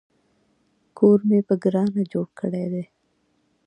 کور مې په ګرانه جوړ کړی دی